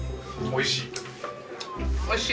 おいしい。